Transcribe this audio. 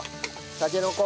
たけのこ！